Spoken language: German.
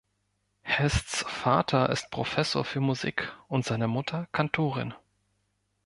Hests Vater ist Professor für Musik und seine Mutter Kantorin.